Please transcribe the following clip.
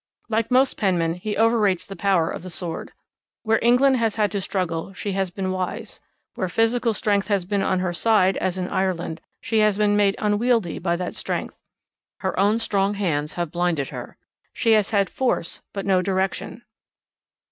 Like most penmen he overrates the power of the sword. Where England has had to struggle she has been wise. Where physical strength has been on her side, as in Ireland, she has been made unwieldy by that strength. Her own strong hands have blinded her. She has had force but no direction.